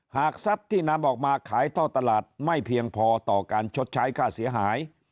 หากทรัพย์ที่นำออกมาขายท่อตลาดไม่เพียงพอต่อการชดใช้ค่าเสียหาย